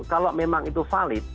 kalau memang itu valid